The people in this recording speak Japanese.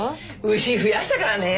牛増やしたからね。